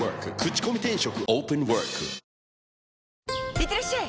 いってらっしゃい！